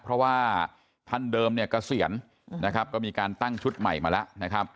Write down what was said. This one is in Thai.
เพราะว่าท่านเดิมเกษียรก็มีการตั้งชุดใหม่มาแล้วนะครับ